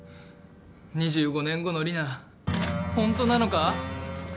２５年後の里奈ホントなのか？